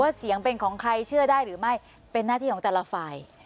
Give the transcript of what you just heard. เสียงเป็นของใครเชื่อได้หรือไม่เป็นหน้าที่ของแต่ละฝ่าย